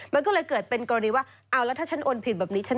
มันก็เลยเกิดเป็นกรณีว่าเอาแล้วถ้าฉันโอนผิดแบบนี้ฉัน